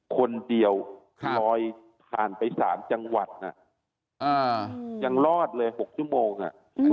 คนเดียวลอยผ่านไป๓จังหวัดยังรอดเลย๖ชั่วโมงอ่ะ